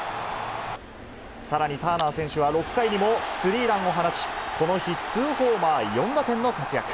さらにターナー選手は、６回にもスリーランを放ち、この日、ツーホーマー、４打点の活躍。